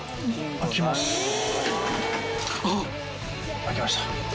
開きました。